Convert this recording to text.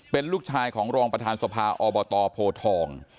เป็นลูกชายของรองประธานสภาอบตโพทอง